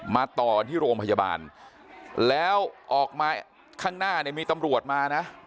ต่อกันที่โรงพยาบาลแล้วออกมาข้างหน้าเนี่ยมีตำรวจมานะ